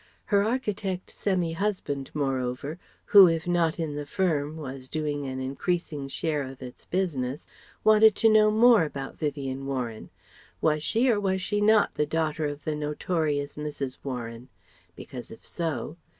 Her architect semi husband moreover, who if not in the firm was doing an increasing share of its business, wanted to know more about Vivien Warren. "Was she or was she not the daughter of the 'notorious' Mrs. Warren; because if so..."